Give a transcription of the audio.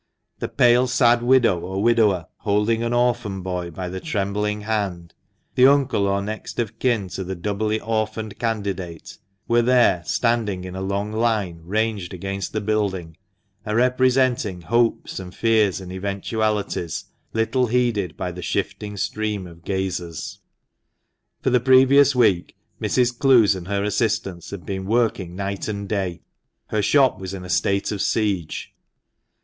The pale, sad widow or widower, holding an orphan boy by the trembling hand, the uncle or next of kin to the doubly orphaned candidate, were there, standing in a long line ranged against the building, and representing hopes and fears and eventualities little heeded by the shifting stream of gazers. 73 THE MANCHESTER MAN. For the previous week Mrs. Clowes and her assistants had been working night and day; her shop was in a state of siege.